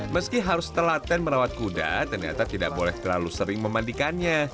meski harus telaten merawat kuda ternyata tidak boleh terlalu sering memandikannya